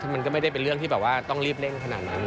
มันก็ไม่ได้เป็นเรื่องที่แบบว่าต้องรีบเร่งขนาดนั้น